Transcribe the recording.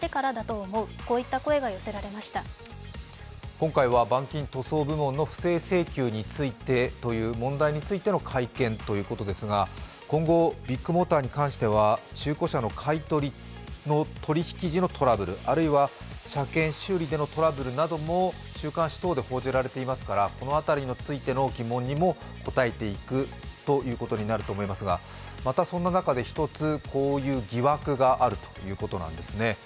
今回は板金塗装部門の不正請求についてという問題についての会見ということですが、今後、ビッグモーターに関しては中古車の買い取りの取り引き時のトラブル、あるいは車検、修理でのトラブルなども週刊誌等で報じられていますからこの辺りについての疑問にも答えていくということになると思いますがまたそんな中で一つ、こういう疑惑があるということなんですね。